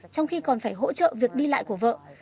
trong khi còn phải hỗ trợ việc đi lại của vợ